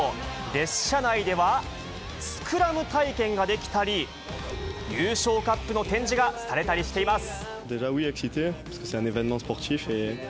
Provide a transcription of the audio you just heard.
列車内では、スクラム体験ができたり、優勝カップの展示がされたりしています。